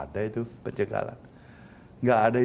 dan berterima kasih